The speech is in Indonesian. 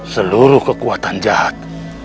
seluruh kekuatan jahat